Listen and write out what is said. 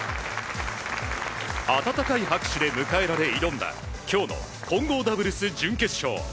温かい拍手で迎えられ挑んだ今日の混合ダブルス準決勝。